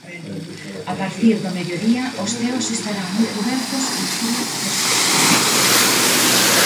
A partir do mediodía os ceos estarán moi cubertos con chuvias persistentes.